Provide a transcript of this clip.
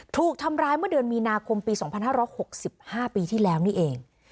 ถูกทำร้ายเมื่อเดือนมีนาคมปี๒๕๖๕ปีที่แล้วนี่เอง